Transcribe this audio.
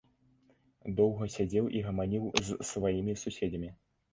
Доўга сядзеў і гаманіў з сваімі суседзямі.